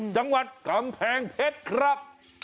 จังหวัดกำแพงเพชรครับ